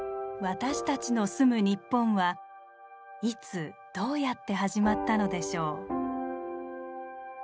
私たちの住む日本はいつどうやって始まったのでしょう。